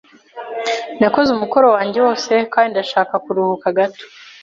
Nakoze umukoro wanjye wose kandi ndashaka kuruhuka gato.